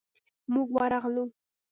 موږ ورغلو.